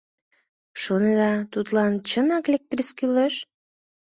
Шонеда, тудлан чынак лектрис кӱлеш?